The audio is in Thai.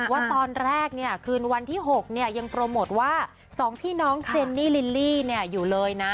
ว่าตอนแรกเนี่ยคืนวันที่๖ยังโปรโมทว่า๒พี่น้องเจนนี่ลิลลี่อยู่เลยนะ